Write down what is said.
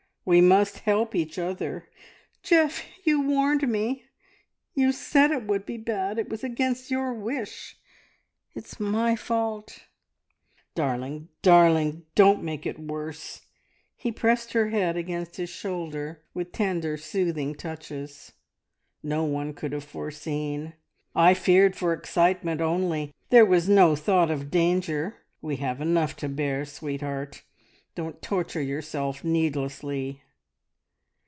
We must help each other." "Geoff, you warned me. You said it would be bad. It was against your wish ... It's my fault!" "Darling, darling, don't make it worse!" He pressed her head against his shoulder with tender, soothing touches. "No one could have foreseen. I feared for excitement only; there was no thought of danger. We have enough to bear, sweetheart. Don't torture yourself needlessly."